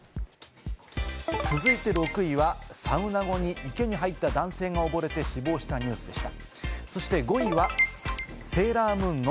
続いて６位はサウナ後に池に入った男性が溺れて死亡したニュースでした。